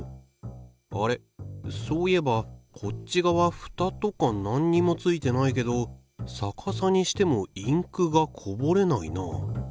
あれそういえばこっち側ふたとかなんにもついてないけど逆さにしてもインクがこぼれないなあ。